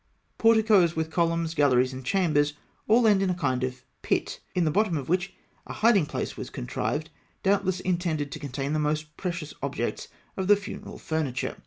Porticoes with columns, galleries, and chambers, all end in a kind of pit, in the bottom of which a hiding place was contrived, doubtless intended to contain the most precious objects of the funeral furniture.